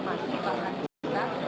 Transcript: masih bahkan tidak